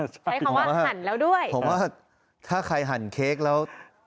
ใช้คำว่าหั่นแล้วด้วยผมว่าถ้าใครหั่นเค้กแล้ว